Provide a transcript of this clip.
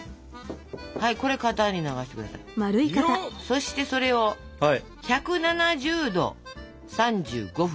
そしてそれを１７０℃３５分。